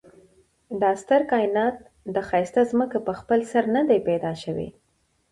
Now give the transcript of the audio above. دا ستر کاينات دا ښايسته ځمکه په خپل سر ندي پيدا شوي